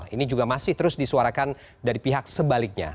ini juga masih terus disuarakan dari pihak sebaliknya